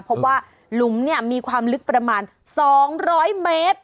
หลุมเนี่ยมีความลึกประมาณ๒๐๐เมตร